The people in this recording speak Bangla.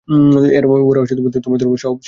ওরা তোমায় ধরে ফেললে, সব শেষ হয়ে যাবে।